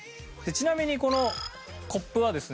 ちなみにこのコップはですね